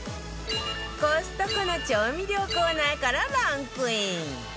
コストコの調味料コーナーからランクイン